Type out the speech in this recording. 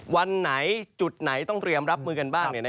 วันไหนจุดไหนต้องเตรียมรับมือกันบ้าง